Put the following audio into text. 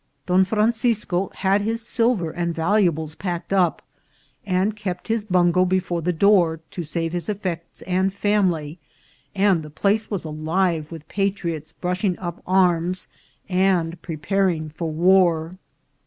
Don Francisco had his silver and valuables packed up, and kept his bungo before the door to save his effects and family, and the place was alive with patriots brushing up arms and preparing for war.